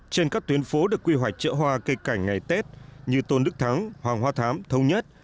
trên các tuyến phố được quy hoạch chợ hoa cây cảnh ngày tết như tôn đức thắng hoàng hoa thám thông nhất